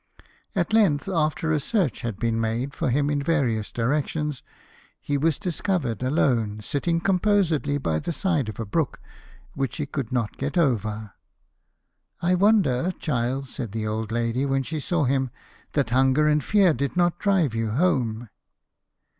At length, after search had been made EARLY BOYHOOD. 3 for him in various directions, he was discovered alone, sitting composedly by the side of a brook, which he could not get over. " I wonder, child," said the old lady when she saw him, " that hunger and fear did not drive you home."